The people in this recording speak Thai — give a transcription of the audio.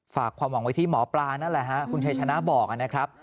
ฝากความหวังไว้ที่หมอปลานั่นแหละฮะคุณชัยชนะบอกนะครับ